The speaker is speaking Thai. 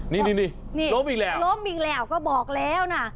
นี่หลบอีกแล้วก็บอกแล้วนะ